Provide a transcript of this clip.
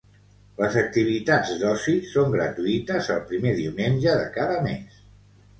Les activitats d'oci són gratuïtes el primer diumenge de cada mes.